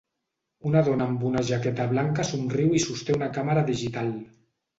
Una dona amb una jaqueta blanca somriu i sosté una càmera digital.